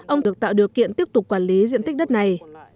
ông được tạo điều kiện tiếp tục quản lý diện tích đất này